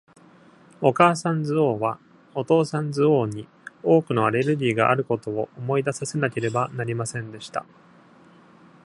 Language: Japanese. お母さんズオウは、お父さんズオウに多くのアレルギーがあることを思い出させなければなりませんでした。